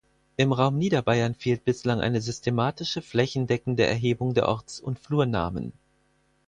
Im Raum Niederbayern fehlt bislang eine systematische, flächendeckende Erhebung der Orts- und Flurnamen.